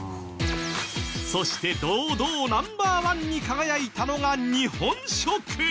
そして堂々ナンバーワンに輝いたのが日本食。